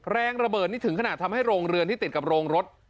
แรงระเบิดนี่ถึงขนาดทำให้โรงเรือนที่ติดกับโรงรถ